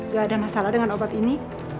gak ada masalah dengan obat ini